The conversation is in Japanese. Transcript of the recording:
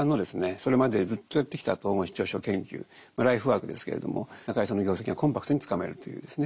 それまでずっとやってきた統合失調症研究ライフワークですけれども中井さんの業績がコンパクトにつかめるというですね